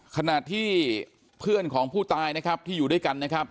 ขณะที่เพื่อนของผู้ตายนะครับที่อยู่ด้วยกันนะครับ